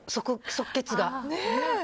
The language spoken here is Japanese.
即決が。